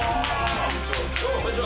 こんにちは。